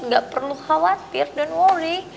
gak perlu khawatir don't worry